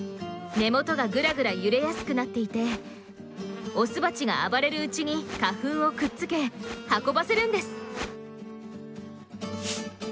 根本がぐらぐら揺れやすくなっていてオスバチが暴れるうちに花粉をくっつけ運ばせるんです。